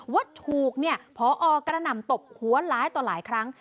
ว่าถูกพอกระหน่ำตบหัวร้ายต่อหลายครั้ง